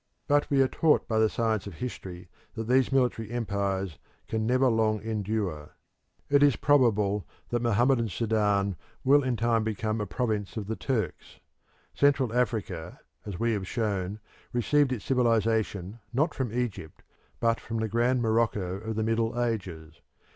But we are taught by the science of history that these military empires can never long endure. It is probable that Mohammedan Sudan will in time become a province of the Turks. Central Africa, as we have shown, received its civilisation not from Egypt but from the grand Morocco of the Middle Ages.